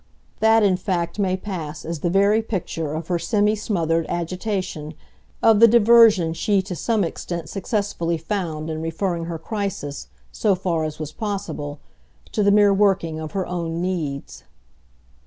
That in fact may pass as the very picture of her semi smothered agitation, of the diversion she to some extent successfully found in referring her crisis, so far as was possible, to the mere working of her own needs.